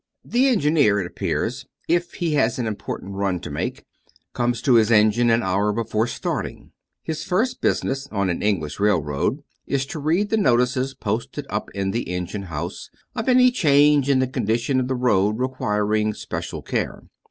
The engineer, it appears, if he has an important run to make, comes to his engine an hour before starting. His first business, on an English railroad, is to read the notices, posted up in the engine house, of any change in the condition of the road requiring special care.